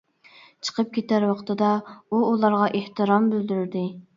چىقىپ كېتەر ۋاقتىدا ئۇ ئۇلارغا ئېھتىرام بىلدۈردى.